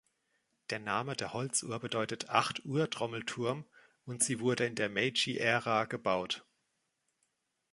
Der Name der Holzuhr bedeutet „Acht-Uhr-Trommelturm“ und sie wurde in der Meiji-Ära gebaut.